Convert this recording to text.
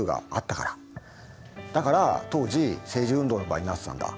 だから当時政治運動の場になってたんだ。